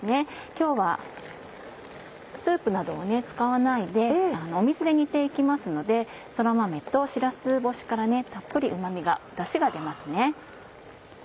今日はスープなどを使わないで水で煮て行きますのでそら豆としらす干しからたっぷりうま味ダシが出ますね。